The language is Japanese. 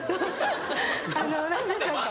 あの何でしょうか。